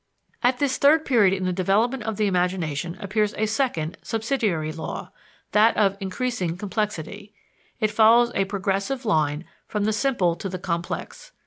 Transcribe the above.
At this third period in the development of the imagination appears a second, subsidiary law, that of increasing complexity; it follows a progressive line from the simple to the complex.